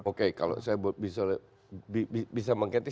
oke kalau saya bisa mengkritis